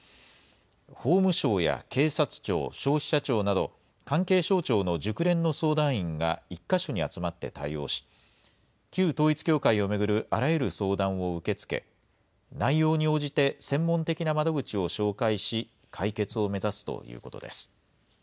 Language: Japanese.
法務省や警察庁、消費者庁など、関係省庁の熟練の相談員が１か所に集まって対応し、旧統一教会を巡るあらゆる相談を受け付け、内容に応じて専門的な窓口を紹介し、解決を目指すということです。